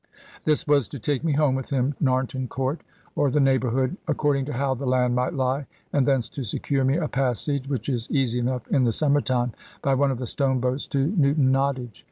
This was to take me home with him to Narnton Court, or the neighbourhood, according to how the land might lie, and thence to secure me a passage (which is easy enough in the summer time) by one of the stone boats to Newton Nottage.